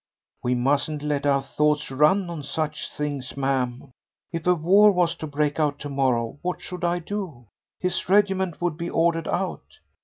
"We mustn't let our thoughts run on such things, ma'am. If a war was to break out to morrow, what should I do? His regiment would be ordered out.